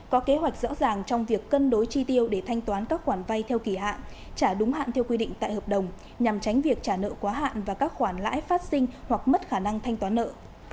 có kế hoạch rõ ràng trong việc cân đối chi tiêu để thanh toán các khoản vay theo kỳ hạn trả đúng hạn theo quy định tại hợp đồng nhằm tránh việc trả nợ quá hạn và các khoản lãi phát sinh hoặc mất khả năng thanh toán nợ